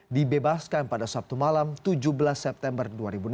dibebaskan pada sabtu malam tujuh belas september dua ribu enam belas